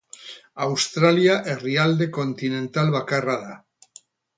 Australia herrialde kontinental bakarra da.